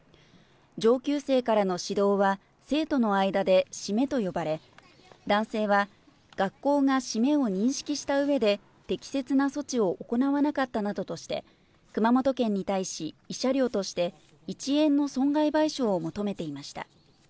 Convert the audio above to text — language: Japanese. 上級生からの指導は、生徒の間でシメと呼ばれ、男性は、学校がシメを認識したうえで、適切な措置を行わなかったなどとして、熊本県に対し、慰謝料として、１円の損害賠償を求めていました。